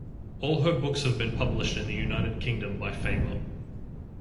All her books have been published in the United Kingdom by Faber.